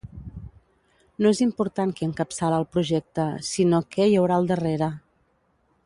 No és important qui encapçala el projecte, sinó què hi haurà al darrere.